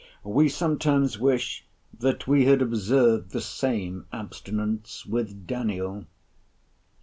We sometimes wish, that we had observed the same abstinence with Daniel.